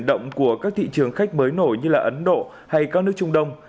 động của các thị trường khách mới nổi như là ấn độ hay các nước trung đông